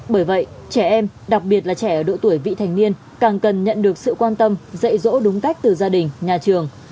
bởi vậy trẻ em đặc biệt là trẻ ở độ tuổi vị thành niên càng cần nhận được sự quan tâm dạy dỗ đúng cách từ gia đình nhà trường